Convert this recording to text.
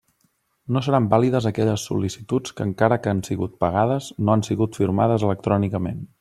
No seran vàlides aquelles sol·licituds que encara que han sigut pagades no han sigut firmades electrònicament.